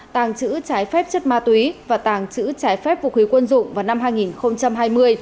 tàng trữ trái phép chất ma túy và tàng trữ trái phép vũ khí quân dụng vào năm hai nghìn hai mươi